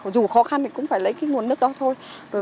dù khó khăn thì cũng phải lấy cái nguồn nước đó thôi